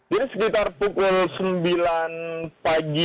sekitar pukul sembilan pagi